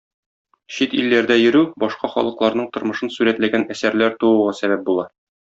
Чит илләрдә йөрү башка халыкларның тормышын сурәтләгән әсәрләр тууга сәбәп була.